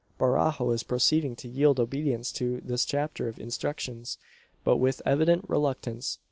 Barajo is proceeding to yield obedience to this chapter of instructions, but with evident reluctance.